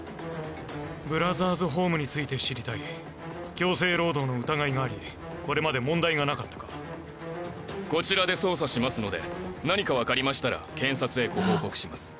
ブラザーズホームについて知りたい強制労働の疑いがありこれまで問題がなかったかこちらで捜査しますので何か分かりましたら検察へご報告します